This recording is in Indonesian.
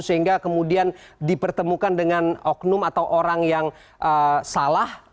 sehingga kemudian dipertemukan dengan oknum atau orang yang salah